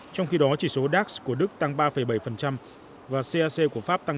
trong khi đó chỉ số dax của đức tăng ba bảy và cac của pháp tăng ba hai